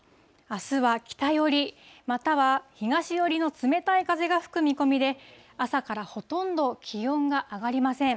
あすは北寄り、または東寄りの冷たい風が吹く見込みで、朝からほとんど気温が上がりません。